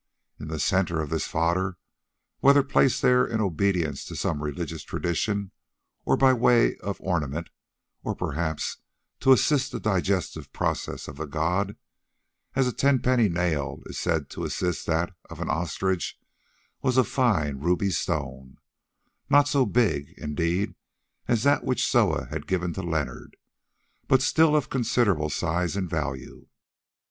In the centre of this fodder—whether placed there in obedience to some religious tradition or by way of ornament, or perhaps to assist the digestive process of the god, as a tenpenny nail is said to assist that of an ostrich—was a fine ruby stone; not so big, indeed, as that which Soa had given to Leonard, but still of considerable size and value.